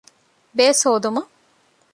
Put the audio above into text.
ބޭސް ހޯދުމަށް